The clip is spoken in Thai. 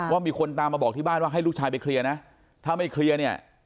ว่ามีคนตามมาบอกที่บ้านว่าให้ลูกชายไปเคลียร์นะถ้าไม่เคลียร์เนี่ย